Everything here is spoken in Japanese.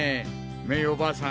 メイおばあさん